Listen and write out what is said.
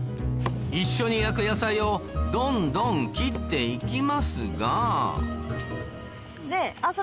一緒に焼く野菜をどんどん切って行きますがであっ！